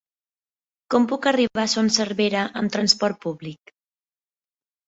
Com puc arribar a Son Servera amb transport públic?